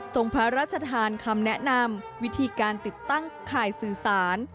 พระราชทานคำแนะนำวิธีการติดตั้งข่ายสื่อสาร